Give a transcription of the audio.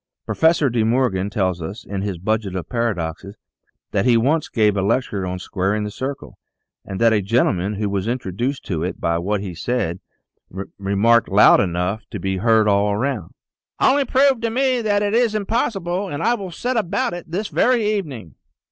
Professor De Mor gan tells us, in his "Budget of Paradoxes," that he once gave a lecture on " Squaring the Circle " and that a gentleman who was introduced to it by what he said, re marked loud enough to be heard by all around :" Only OF SCIENCE prove to me that it is impossible and I will set about it this very evening."